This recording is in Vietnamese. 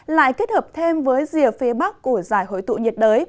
lại kết hợp thêm với rìa phía bắc của giải hội tụ nhiệt đới